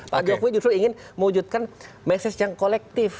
pak jokowi justru ingin mewujudkan message yang kolektif